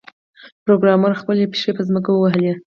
پروګرامر خپلې پښې په ځمکه ووهلې